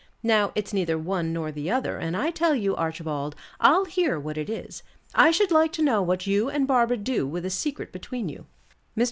Now, it's neither one nor the other; and I tell you, Archibald, I'll hear what it is. I should like to know what you and Barbara do with a secret between you." Mr.